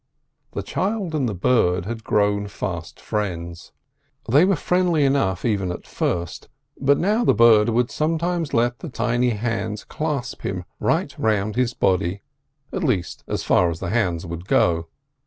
The child and the bird had grown fast friends; they were friendly enough even at first, but now the bird would sometimes let the tiny hands clasp him right round his body—at least, as far as the hands would go.